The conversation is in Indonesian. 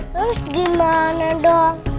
terus gimana dong